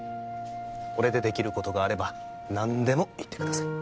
俺でできることがあれば何でも言ってください